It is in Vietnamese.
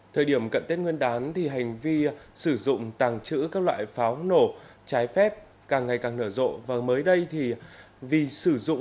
thời điểm cận tết nguyên đán thì hành vi sử dụng tàn trữ các loại pháo nổ trái phép càng ngày càng nở rộ